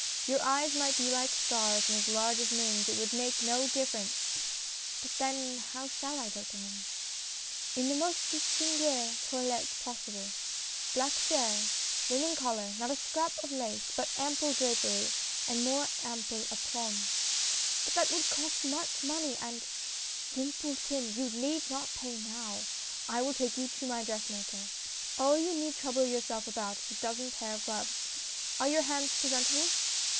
Your eyes might be like stars and as large as moons, it would make no difference "" But how then shall I go to him ?"" In the most distingue toilette possible. Black faille, linen collar, not a scrap of lace, but ample drapery, and more ample aplomb " 94 SIGNING THE CONTRACT. "But that would cost much money, and " "Simpleton! you need not pay now. I will take you to my dressmaker. All you need trouble yourself about is a dozen pair of gloves. Are your hands pre sentable